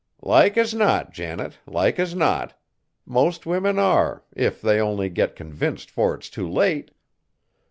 "Like as not, Janet, like as not. Most women are, if they only get convinced 'fore it's too late.